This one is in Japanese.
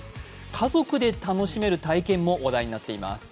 家族で楽しめる体験も話題になっています。